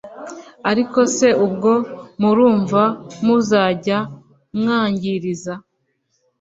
ariko se ubwo murumva muzajya mwanjyiriza